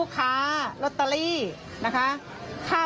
ขอลายแนกต่อมา